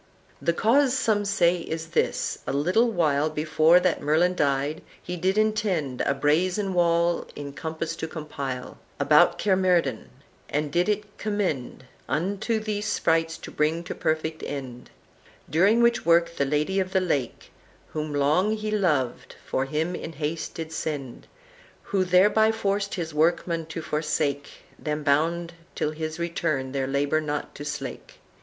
"The cause some say is this. A little while Before that Merlin died, he did intend A brazen wall in compas to compile About Caermerdin, and did it commend Unto these sprites to bring to perfect end; During which work the Lady of the Lake, Whom long he loved, for him in haste did send; Who, thereby forced his workmen to forsake, Them bound till his return their labor not to slack.